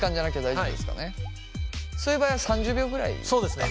そういう場合は３０秒ぐらいですか？